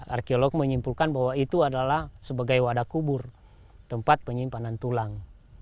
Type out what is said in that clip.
arkeolog menyimpulkan bahwa itu adalah sebagai wadah kubur tempat penyimpanan tulang